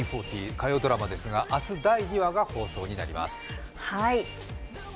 火曜ドラマですが明日第２話が放送になります。